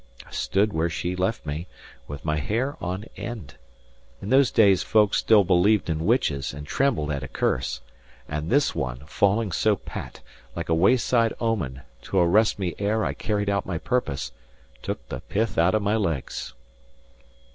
I stood where she left me, with my hair on end. In those days folk still believed in witches and trembled at a curse; and this one, falling so pat, like a wayside omen, to arrest me ere I carried out my purpose, took the pith out of my legs.